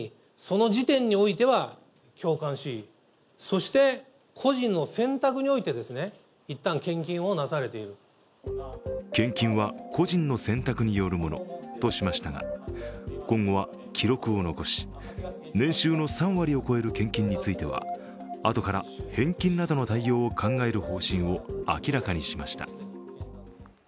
そして、５００万円を超える高額献金については献金は個人の選択によるものとしましたが今後は、記録を残し、年収の３割を超える献金については、あとから返金などの対応を考える方針を明らかにしました。